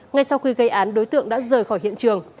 ngay sau khi gây án đối tượng đã rời khỏi hiện trường